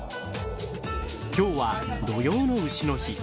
今日は土用の丑の日。